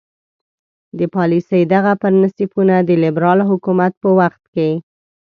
د پالیسۍ دغه پرنسیپونه د لیبرال حکومت په وخت کې.